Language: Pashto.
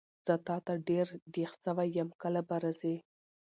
زه تاته ډېر دیغ سوی یم کله به راځي؟